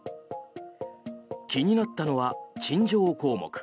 気になったのは陳情項目。